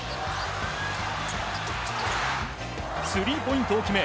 スリーポイントを決め